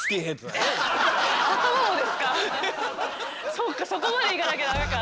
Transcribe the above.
そうかそこまでいかなきゃダメか。